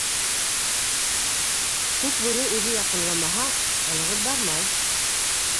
Күкбүре үҙе яҡынламаһа, ылығып бармай.